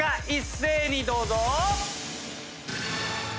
一斉にどうぞ。